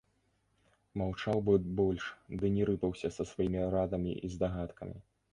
Маўчаў бы больш ды не рыпаўся са сваімі радамі і здагадкамі.